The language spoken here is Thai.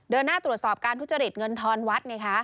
โดยหน้าตรวจสอบการทุจริตเงินธรรมวัฒน์ไงคะ